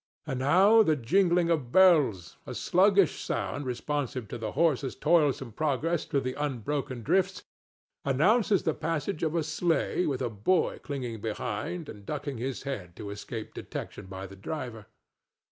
And now the jingling of bells—a sluggish sound responsive to the horse's toilsome progress through the unbroken drifts—announces the passage of a sleigh with a boy clinging behind and ducking his head to escape detection by the driver.